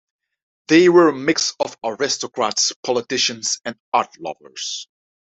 They were a mix of aristocrats, politicians and art-lovers.